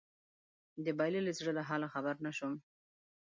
د بايللي زړه له حاله خبر نه شوم